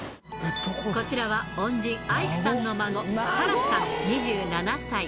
こちらは恩人、アイクさんの孫、サラさん２７歳。